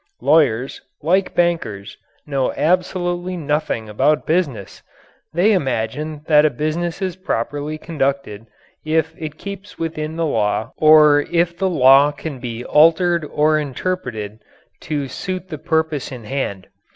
Lawyers, like bankers, know absolutely nothing about business. They imagine that a business is properly conducted if it keeps within the law or if the law can be altered or interpreted to suit the purpose in hand.